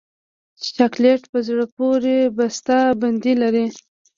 چاکلېټ په زړه پورې بسته بندي لري.